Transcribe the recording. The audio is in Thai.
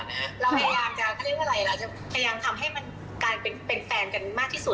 เรายังจะทำให้มันกลายเป็นแฟนกันมากที่สุด